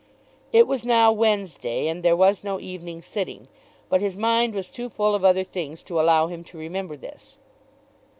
It was now Wednesday, and there was no evening sitting; but his mind was too full of other things to allow him to remember this.